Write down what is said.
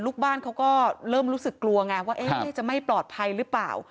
ลูกบ้านเขาก็เริ่มรู้สึกกลัวไงว่าจะไม่ปลอดภัยหรือเปล่า